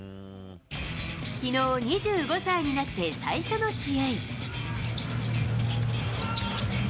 きのう２５歳になって最初の試合。